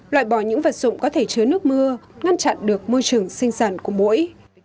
loại bỏ những vật dụng có thể chứa nước mưa ngăn chặn được môi trường sinh sản của mũi